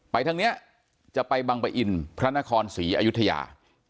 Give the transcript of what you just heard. ทางนี้จะไปบังปะอินพระนครศรีอยุธยา